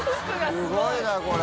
すごいなこれ。